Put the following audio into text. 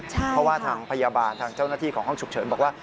เพราะว่าทางพยาบาลทางเจ้าหน้าที่ของห้องฉุกเฉินบอกว่า